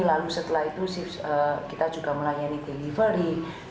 lalu setelah itu kita juga melayani delivery